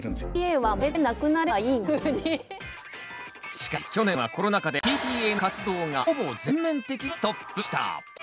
しかし去年はコロナ禍でＰＴＡの活動がほぼ全面的にストップした！